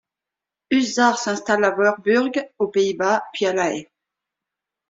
Huszár s'installe à Voorburg, aux Pays-Bas, puis à La Haye.